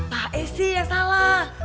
bae sih ya salah